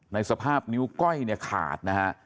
ในสภาพนิ้วก้อยขาดนะฮะ